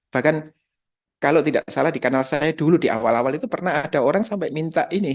bahkan kalau tidak salah di kanal saya dulu di awal awal itu pernah ada orang sampai minta ini